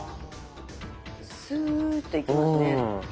スーッといきますね。